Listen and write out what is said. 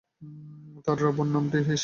তার রাবণ নামটি শিবের দেওয়া।